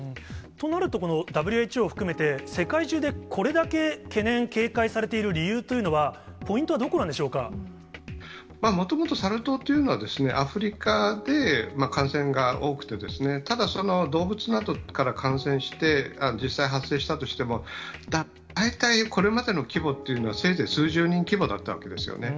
となると、ＷＨＯを含めて、世界中でこれだけ懸念、警戒されている理由というのは、ポイントもともとサル痘というのは、アフリカで感染が多くて、ただ、動物などから感染して、実際発症したとしても、大体これまでの規模というのはせいぜい数十人規模だったわけですよね。